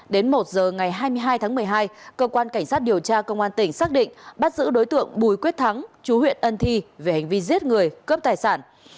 đến một giờ ngày hai mươi hai tháng một mươi hai cơ quan cảnh sát điều tra công an tỉnh xác định bắt giữ đối tượng bùi quyết thắng chú huyện ân thi về hành vi giết người cướp tài sản